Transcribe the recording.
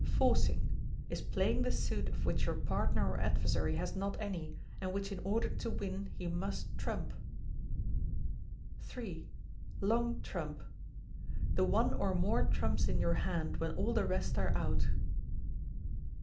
Forcing, is playing the suit of which your partner or adversary has not any, and which in order to win he must trump. iii. Long Trump, the one or more trumps in your hand when all the rest are out.